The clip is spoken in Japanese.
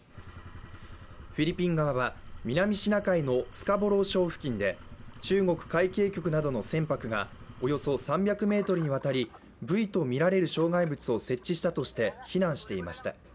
フィリピン側は南シナ海のスカボロー礁付近で中国海警局などの船舶がおよそ３００ｍにわたりブイとみられる障害物を設置したとして非難していました。